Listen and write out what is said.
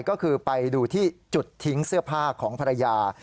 ก็คือไปดูที่จุดทิ้งเสื้อผ้าของภรรยา